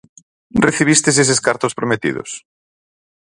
Recibistes eses cartos prometidos?